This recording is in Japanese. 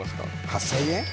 ８０００円？